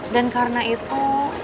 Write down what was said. dan karena itu